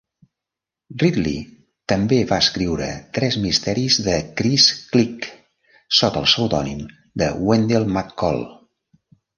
Ridley també va escriure tres misteris de Chris Klick sota el pseudònim de Wendell McCall.